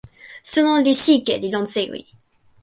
suno li sike li lon sewi.